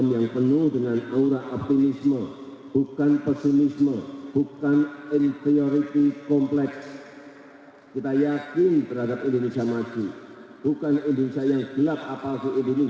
yang justru perlu diwaspati adalah